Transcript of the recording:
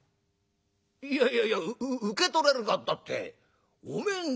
「いやいやいや『受け取れるか』ったってお前んだろ」。